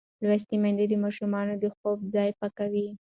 لوستې میندې د ماشومانو د خوب ځای پاکوي.